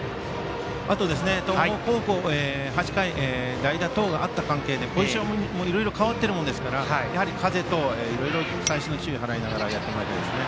あと東邦高校８回、代打等があった関係でポジションもいろいろ変わってますから風等、いろいろ細心の注意を払いながらやってもらいたいですね。